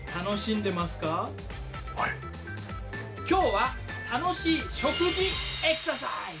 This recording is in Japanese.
今日は楽しい食事エクササイズ。